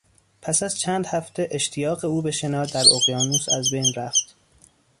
پس از چند هفته، اشتیاق او به شنا در اقیانوس ازبین رفت.